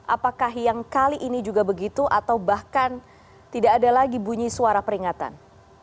apakah yang kali ini juga begitu atau bahkan tidak ada lagi bunyi suara peringatan